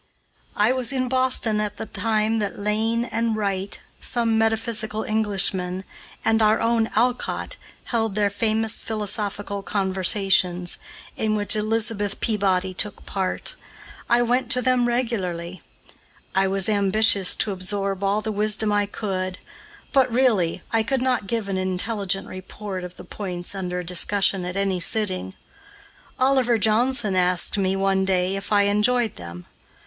I was in Boston at the time that Lane and Wright, some metaphysical Englishmen, and our own Alcott held their famous philosophical conversations, in which Elizabeth Peabody took part. I went to them regularly. I was ambitious to absorb all the wisdom I could, but, really, I could not give an intelligent report of the points under discussion at any sitting. Oliver Johnson asked me, one day, if I enjoyed them.